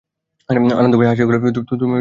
আনন্দময়ী হাসিয়া কহিলেন, তুমি চুপ করে আছ বৈকি।